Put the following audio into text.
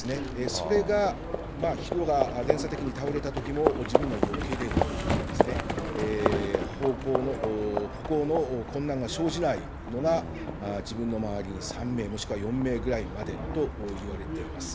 それが、人が連鎖的に倒れたときも、自分がよけれるとかですね、歩行の困難が生じないのが、自分の周りに３名、もしくは４名ぐらいまでと言われています。